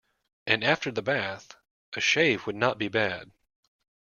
And after the bath a shave would not be bad.